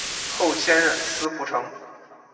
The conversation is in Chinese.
后迁任司仆丞。